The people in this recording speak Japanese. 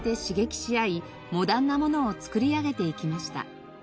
モダンなものを作り上げていきました。